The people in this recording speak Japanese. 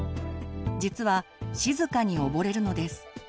実は静かに溺れるのです。